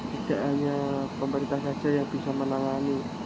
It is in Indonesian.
tidak hanya pemerintah saja yang bisa menangani